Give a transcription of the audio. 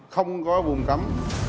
không có vùng cấm